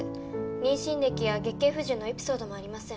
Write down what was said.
妊娠歴や月経不順のエピソードもありません。